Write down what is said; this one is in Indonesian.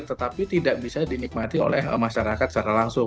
tetapi tidak bisa dinikmati oleh masyarakat secara langsung